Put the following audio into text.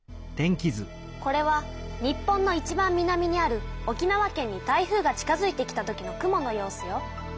これは日本のいちばん南にある沖縄県に台風が近づいてきた時の雲の様子よ。